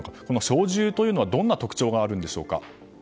小銃というのはどんな特徴があるのでしょうか。